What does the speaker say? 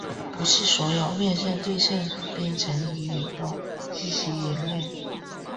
不是所有面向对象编程语言都支持元类。